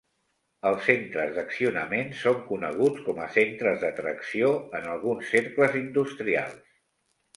Els centres d'accionament són coneguts com a centres de tracció en alguns cercles industrials.